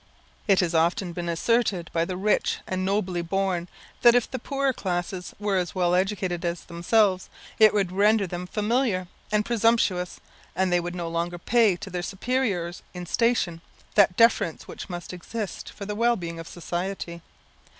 It has often been asserted by the rich and nobly born, that if the poorer classes were as well educated as themselves, it would render them familiar and presumptuous, and they would no longer pay to their superiors in station that deference which must exist for the well being of society.